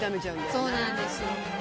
そうなんですよ。